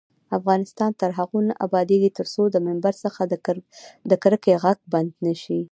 افغانستان تر هغو نه ابادیږي، ترڅو د ممبر څخه د کرکې غږ بند نشي.